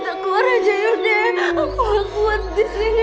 lapor ke pak rt